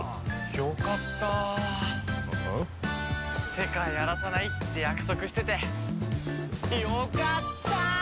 世界荒らさないって約束しててよかったー！